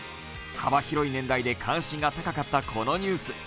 幅広い年代で関心が高かったこのニュース。